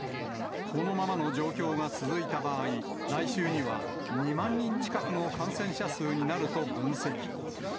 このままの状況が続いた場合、来週には２万人近くの感染者数になると分析。